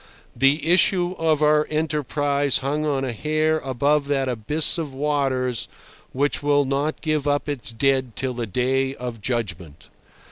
The issue of our enterprise hung on a hair above that abyss of waters which will not give up its dead till the Day of Judgment.